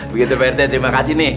begitu pak rt terima kasih nih